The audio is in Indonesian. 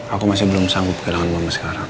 aku masih belum sanggup ke dalam mama sekarang